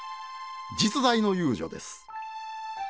実在の遊女です。